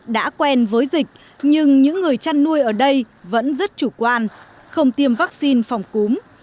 đã quen với dịch nhưng những người chăn nuôi ở đây vẫn rất chủ quan không tiêm vaccine phòng cúm